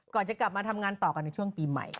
จะกลับมาทำงานต่อกันในช่วงปีใหม่